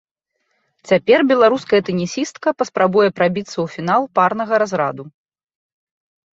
Цяпер беларуская тэнісістка паспрабуе прабіцца ў фінал парнага разраду.